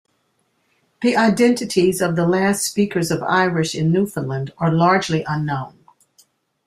The identities of the last speakers of Irish in Newfoundland are largely unknown.